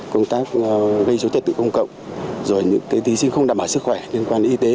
công tác gây dối trật tự công cộng rồi những thí sinh không đảm bảo sức khỏe liên quan đến y tế